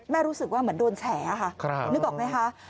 แม่รู้สึกว่าเหมือนโดนแฉนะคะนึกบอกไหมคะครับ